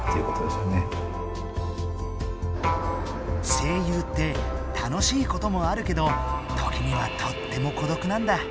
声優って楽しいこともあるけど時にはとっても孤独なんだ。